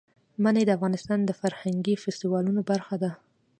منی د افغانستان د فرهنګي فستیوالونو برخه ده.